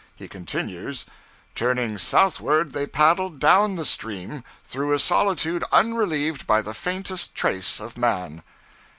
He continues: 'Turning southward, they paddled down the stream, through a solitude unrelieved by the faintest trace of man.'